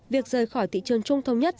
việc rời khỏi thị trường chung thông nhất